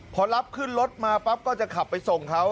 พอรับขึ้นรถมาปั๊บก็จะขับไปส่งเขา